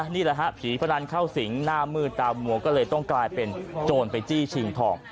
นี่แหละฮะผีพนันเข้าสิงหน้ามืดตามหัวก็เลยต้องกลายเป็นโจรไปจี้ชิงทอง